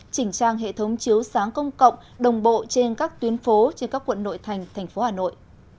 chỉnh trang hệ thống chiếu sáng công cộng đồng bộ trên các tuyến phố trên các quận nội thành thành phố hà nội